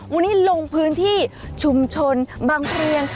วันนี้ลงพื้นที่ชุมชนบางเพลียง